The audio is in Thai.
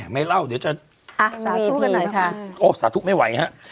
ไม่เล่าเดี๋ยวจะสาธุกันหน่อยค่ะโอ้สาธุไม่ไหวฮะ